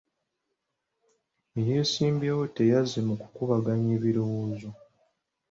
Eyeesimbyewo teyazze mu kukubaganya birowoozo.